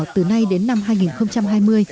từ nay đến năm hai nghìn hai mươi